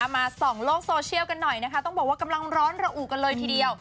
มาส่องโลกโซเชียลกันหน่อยนะคะต้องบอกว่ากำลังร้อนระอุกันเลยทีเดียว